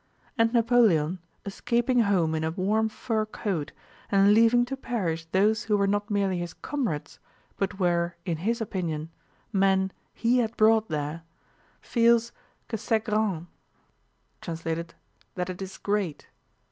And Napoleon, escaping home in a warm fur coat and leaving to perish those who were not merely his comrades but were (in his opinion) men he had brought there, feels que c'est grand, *(2) and his soul is tranquil. * "It is great."